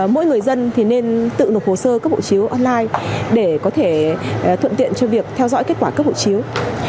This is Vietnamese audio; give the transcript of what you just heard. mỗi người dân thì nên tự nộp hồ sơ cấp hộ chiếu online để có thể thuận tiện cho việc theo dõi kết quả cấp hộ chiếu